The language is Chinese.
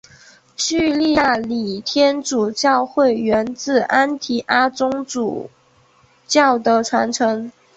叙利亚礼天主教会源自安提阿宗主教的传承。